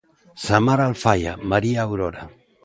Samar Alfaia, María Aurora.